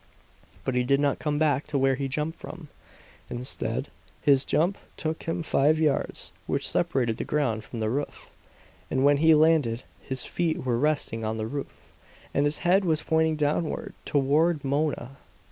But he did not come back to where he jumped from. Instead, his jump took him five yards, which separated the ground from the roof; and when he landed HIS FEET WERE RESTING ON THE ROOF, AND HIS HEAD WAS POINTING DOWNWARD, TOWARD MONA.